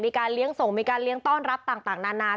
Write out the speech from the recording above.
เลี้ยงส่งมีการเลี้ยงต้อนรับต่างนานา